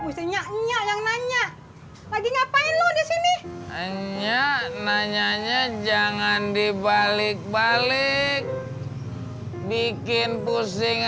musiknya yang nanya lagi ngapain lu di sini hanya nanyanya jangan dibalik balik bikin pusing